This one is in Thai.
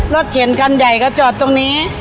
เขียนคันใหญ่ก็จอดตรงนี้